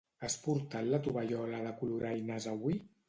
Has portat la tovallola de coloraines avui?